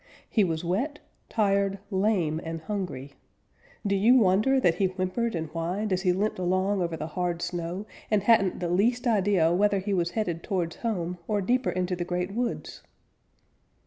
He was wet, tired, lame and hungry. Do you wonder that he whimpered and whined as he limped along over the hard snow, and hadn't the least idea whether he was headed towards home or deeper into the great woods?